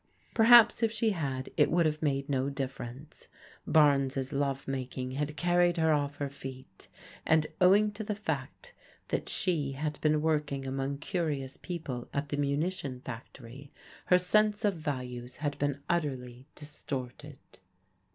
Perhaps if she had, it would have made no difference. Barnes' love making had car ried her off her feet, and owing to the fact that she had been working among curious people at the munition fac tory, her sense of values had been utterly distorted.